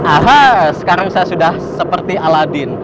aha sekarang saya sudah seperti aladin